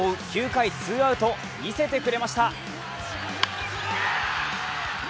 ９回ツーアウト、見せてくれました。